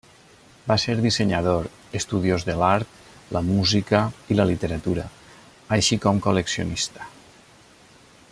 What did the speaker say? Va ser dissenyador, estudiós de l'art, la música i la literatura, així com col·leccionista.